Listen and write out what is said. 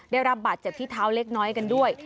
ได้รับบาดเจ็บที่เท้าเล็กน้อยกันด้วย